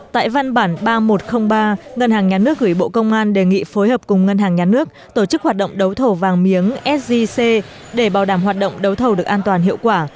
tại văn bản ba nghìn một trăm linh ba ngân hàng nhà nước gửi bộ công an đề nghị phối hợp cùng ngân hàng nhà nước tổ chức hoạt động đấu thầu vàng miếng sgc để bảo đảm hoạt động đấu thầu được an toàn hiệu quả